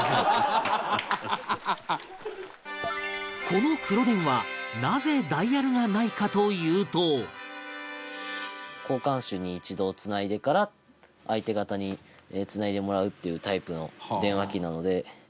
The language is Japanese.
この黒電話、なぜダイヤルがないかというと交換手に、一度つないでから相手方につないでもらうっていうタイプの電話機なので。